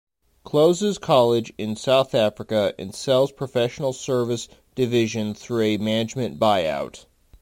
Closes College in South Africa and sells Professional Service division through a Management Buy-out.